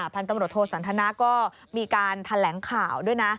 พันธุ์ตำรวจโทสันทนาก็มีการแถลงข่าวด้วยนะ